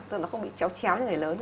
tức là nó không bị chéo chéo cho người lớn